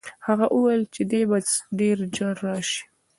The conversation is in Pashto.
هغه وویل چې دی به ډېر ژر راسي.